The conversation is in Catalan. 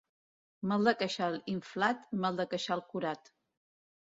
Mal de queixal inflat, mal de queixal curat.